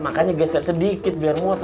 makanya geser sedikit biar muatan